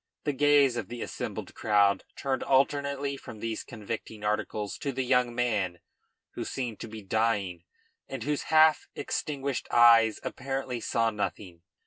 The gaze of the assembled crowd turned alternately from these convicting articles to the young man, who seemed to be dying and whose half extinguished eyes apparently saw nothing.